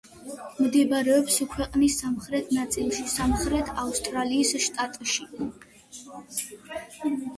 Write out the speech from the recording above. მდებარეობს ქვეყნის სამხრეთ ნაწილში, სამხრეთ ავსტრალიის შტატში.